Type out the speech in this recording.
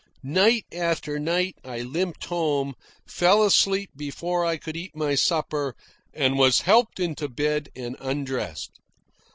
Night after night I limped home, fell asleep before I could eat my supper, and was helped into bed and undressed.